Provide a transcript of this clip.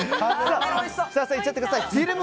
設楽さんいっちゃってください。